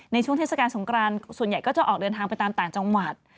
ช่วงเทศกาลสงครานส่วนใหญ่ก็จะออกเดินทางไปตามต่างจังหวัด